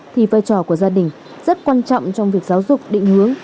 thì vai trò của gia đình rất quan trọng trong việc giáo dục định hướng